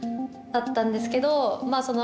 あったんですけどまあ